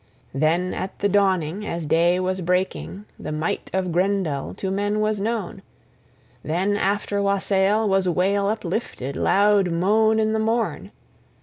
Then at the dawning, as day was breaking, the might of Grendel to men was known; then after wassail was wail uplifted, loud moan in the morn.